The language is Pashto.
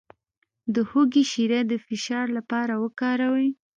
د هوږې شیره د فشار لپاره وکاروئ